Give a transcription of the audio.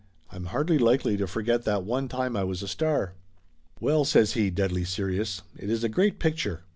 I'm hardly likely to forget that one time I was a star." "Well," says he, deadly serious, "it is a great picture